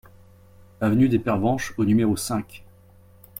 Avenue des Pervenches au numéro cinq